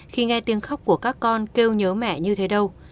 khi nghe tiếng khóc của các con kêu nhớ mẹ như thế đâu